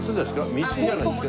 ３つじゃないですか？